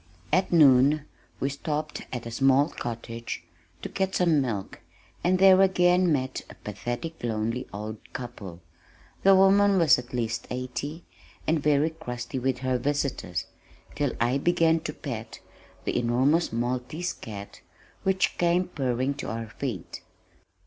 At noon we stopped at a small cottage to get some milk, and there again met a pathetic lonely old couple. The woman was at least eighty, and very crusty with her visitors, till I began to pet the enormous maltese cat which came purring to our feet.